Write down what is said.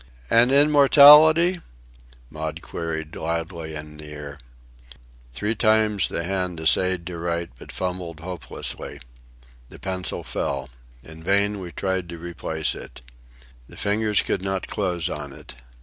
"And immortality?" Maud queried loudly in the ear. Three times the hand essayed to write but fumbled hopelessly. The pencil fell. In vain we tried to replace it. The fingers could not close on it.